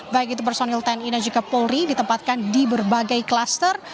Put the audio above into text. baik itu personil tni dan juga polri ditempatkan di berbagai klaster